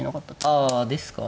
あですか。